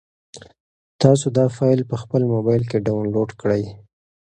تاسو دا فایل په خپل موبایل کې ډاونلوډ کړئ.